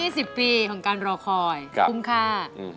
๒๐ปีของการรอคอยคุ้มค่า